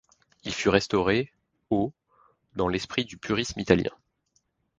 Il fut restauré au dans l'esprit du Purisme italien.